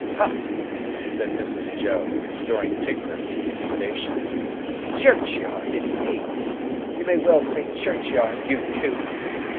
"Hah!" said Mrs. Joe, restoring Tickler to his station. "Churchyard, indeed! You may well say churchyard, you two."